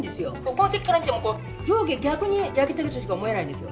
痕跡から見ても上下逆に焼けてるとしか思えないんですよ